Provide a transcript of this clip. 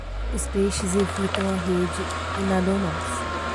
Os peixes evitam a rede e nadam mais.